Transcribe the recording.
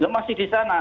masih di sana